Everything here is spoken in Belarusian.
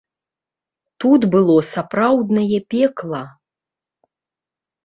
Тут было сапраўднае пекла!